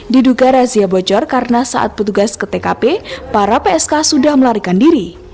diduga razia bocor karena saat petugas ke tkp para psk sudah melarikan diri